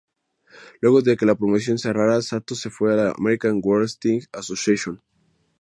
Luego de que la promoción cerrara Sato se fue a la American Wrestling Association.